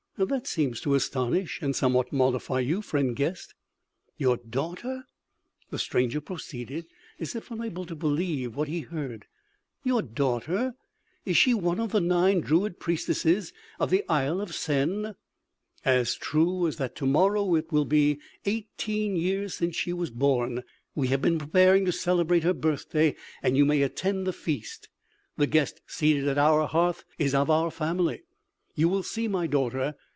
"That seems to astonish and somewhat mollify you, friend guest!" "Your daughter?" the stranger proceeded, as if unable to believe what he heard. "Your daughter?... Is she one of the nine druid priestesses of the Isle of Sen?" "As true as that to morrow it will be eighteen years since she was born! We have been preparing to celebrate her birthday, and you may attend the feast. The guest seated at our hearth is of our family.... You will see my daughter.